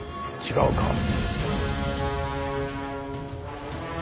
違うか。